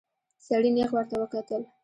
سړي نيغ ورته وکتل.